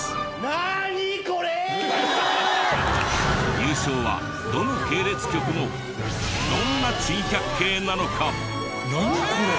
優勝はどの系列局のどんな珍百景なのか？